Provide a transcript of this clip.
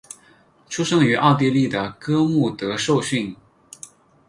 出生于奥地利的哥穆德受训。